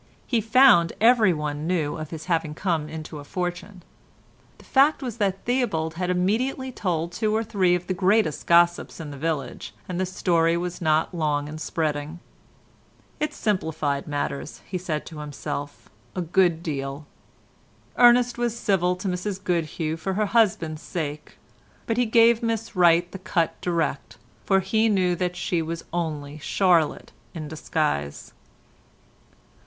He found every one knew of his having come into a fortune. The fact was that Theobald had immediately told two or three of the greatest gossips in the village, and the story was not long in spreading. "It simplified matters," he had said to himself, "a good deal." Ernest was civil to Mrs Goodhew for her husband's sake, but he gave Miss Wright the cut direct, for he knew that she was only Charlotte in disguise.